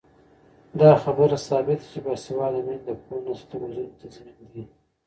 دا خبره ثابته ده چې باسواده میندې د پوه نسل د روزنې تضمین دي.